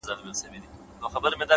چي محبت يې زړه كي ځاى پـيـدا كـړو،